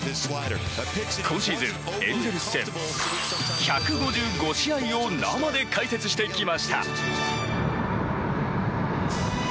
今シーズンエンゼルス戦１５５試合を生で解説してきました。